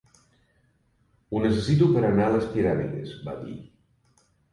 "Ho necessito per anar a les piràmides", va dir.